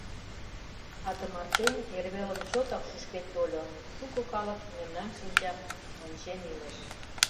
— А тымарте эрвелым чотак шӱшкен тольо: шуко калык мемнан шинчам ончен илыш.